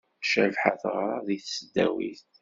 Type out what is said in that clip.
Cabḥa teɣra deg tesdawit.